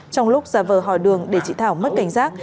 trong lúc ra vờ hỏi đường để chị thảo mất cảnh giác